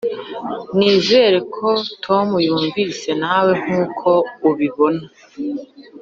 nizere ko tom yumva nawe nkuko ubibona